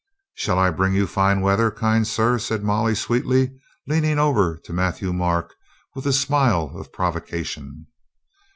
"Shall I bring you fine weather, kind sir?" said Molly sweetly, leaning over to Matthieu Marc with a smile of provocation.